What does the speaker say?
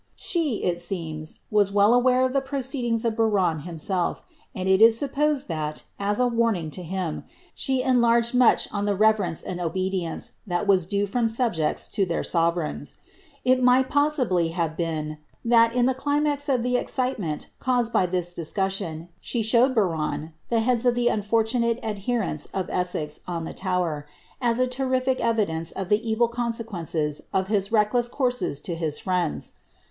She, it aeems, was well aware of the proceedings of Biron himself, and it is supposed that, as a warning to him, she enlarged much on the reverence and obe dieoee that was due from subjects to their sovereigns. It might possibly have been, that, in the climax of the excitement caused by this discus sioo, she showed Biron the heads of the unfortunate adherents of Essex on the Tower, as a terrific evidence of the evil consequences of his reek lev courses to his friends.